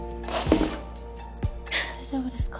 大丈夫ですか？